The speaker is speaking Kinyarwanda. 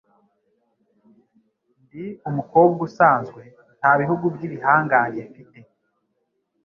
Ndi umukobwa usanzwe. Nta bihugu by'ibihangange mfite.